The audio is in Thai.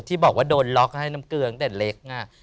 ที่บอกว่าโดนล็อกให้น้ำเกลือตั้งแต่เล็ก